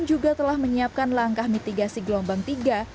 juga telah menyiapkan langkah mitigasi gelombang tiga